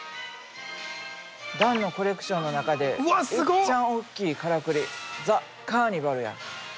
ダンのコレクションの中でいっちゃん大きいカラクリザ・カーニバルや。